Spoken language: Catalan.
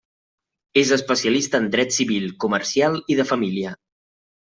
És especialista en dret civil, comercial i de família.